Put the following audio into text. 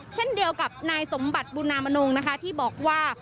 เช่นเดียวกับนายสมบัติบุญามนงนะคะที่บอกว่า